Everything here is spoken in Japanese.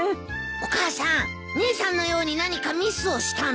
お母さん姉さんのように何かミスをしたの？